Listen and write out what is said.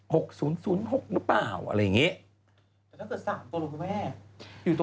๖๐๐๖หรือเปล่าอะไรแบบนี้